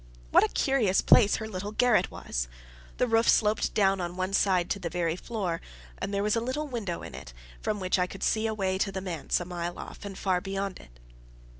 What a curious place her little garret was! The roof sloped down on one side to the very floor, and there was a little window in it, from which I could see away to the manse, a mile off, and far beyond it.